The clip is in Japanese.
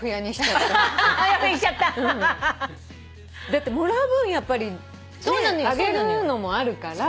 だってもらう分やっぱりあげるのもあるから。